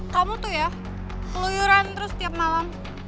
kamu tuh ya peluyuran terus tiap malam